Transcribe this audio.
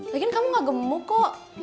lagi kan kamu gak gemuk kok